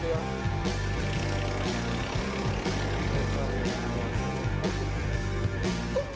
tidak ada yang bisa dipercaya